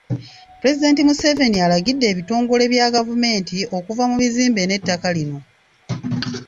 Pulezidenti Museveni alagidde ebitongole bya gavumenti okuva mu bizimbe ne ttaka lino.